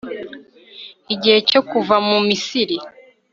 Igihe cyo kuva mu Misiri